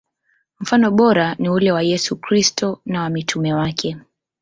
Mfano bora ni ule wa Yesu Kristo na wa mitume wake.